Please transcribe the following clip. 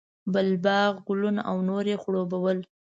بل باغ، ګلونه او نور یې خړوبول.